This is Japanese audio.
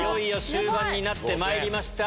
終盤になってまいりました。